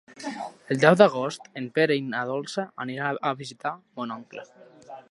El deu d'agost en Pere i na Dolça aniran a visitar mon oncle.